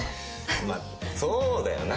まあそうだよな。